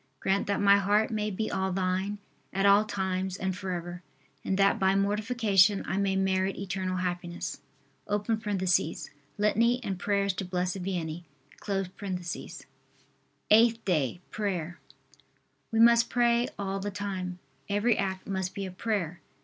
Grant that my heart may be all Thine, at all times and forever. And that by mortification I may merit eternal happiness. [Litany and prayers to Blessed Vianney.] EIGHTH DAY. PRAYER. We must pray all the time. Every act must be a prayer.